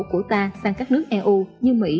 của ta sang các nước eu như mỹ